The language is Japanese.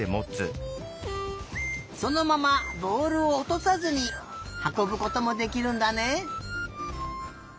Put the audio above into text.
そのままぼおるをおとさずにはこぶこともできるんだね。